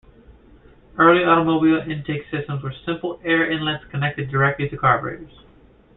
Early automobile intake systems were simple air inlets connected directly to carburetors.